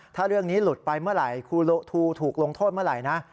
ถ้าเรื่องนี้หลุดไปเมื่อไหร่ครูทูถูกลงโทษเมื่อไหร่นะ